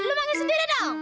lu main sendiri dong